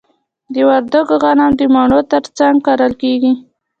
د وردګو غنم د مڼو ترڅنګ کرل کیږي.